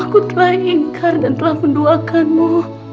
aku telah ingkar dan telah mendoakanmu